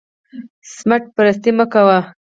سمت پرستي مه کوئ